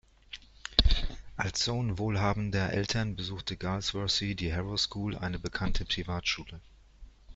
Als Sohn wohlhabender Eltern besuchte Galsworthy die Harrow School, eine bekannte Privatschule.